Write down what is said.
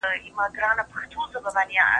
د انسان کرامت د ټولني بنسټ دی.